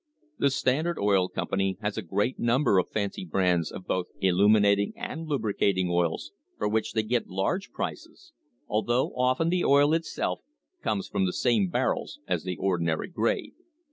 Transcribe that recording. The Standard Oil Company has a great number of fancy brands of both illu minating and lubricating oils, for which they get large prices although often the oil itself comes from the same barrels as the ordinary grade.